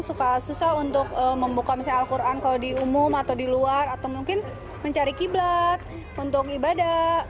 suka susah untuk membuka misalnya al quran kalau di umum atau di luar atau mungkin mencari qiblat untuk ibadah